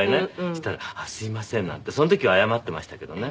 そしたら「すいません」なんてその時は謝ってましたけどね。